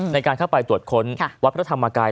ในการเข้าไปตรวจค้นวัดพระธรรมกาย